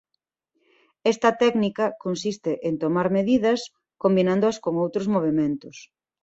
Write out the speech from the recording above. Esta técnica consiste en tomar medidas combinándoas con outros movementos.